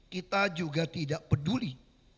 kita juga tidak peduli